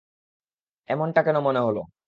এমনটা কেন মন হলো?